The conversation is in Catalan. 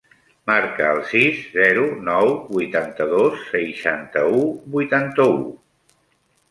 Marca el sis, zero, nou, vuitanta-dos, seixanta-u, vuitanta-u.